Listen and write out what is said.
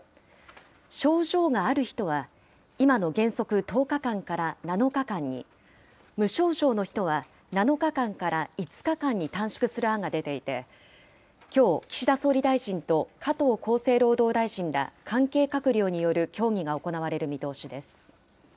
症状がある人は今の原則１０日間から７日間に、無症状の人は７日間から５日間に短縮する案が出ていて、きょう、岸田総理大臣と加藤厚生労働大臣ら関係閣僚による協議が行われる見通しです。